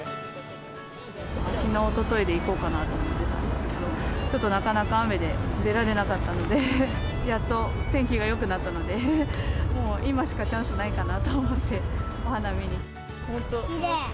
きのう、おとといで行こうかなと思ってたんですけど、ちょっとなかなか雨で、出られなかったので、やっと天気がよくなったので、もう今しかチャンスないかなと思きれい。